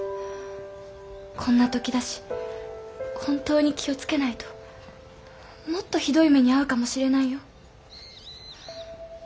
こんな時だし本当に気を付けないともっとひどい目に遭うかもしれないよ。